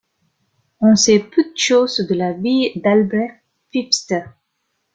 On sait peu de choses de la vie d'Albrecht Pfister.